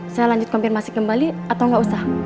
saya lanjut kompirmasi kembali atau gak usah